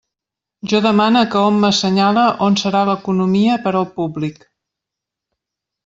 Jo demane que hom m'assenyale on serà l'economia per al públic.